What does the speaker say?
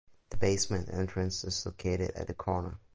The basement entrance is located at the corner.